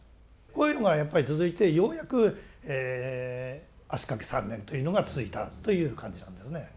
こういうのがやっぱり続いてようやく足かけ３年というのが続いたという感じなんですね。